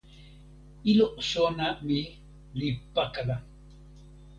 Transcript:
ilo sona mi li pakala.